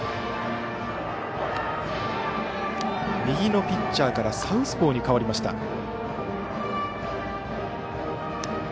右のピッチャーからサウスポーに代わりました。